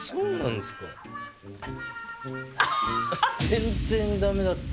全然だめだった。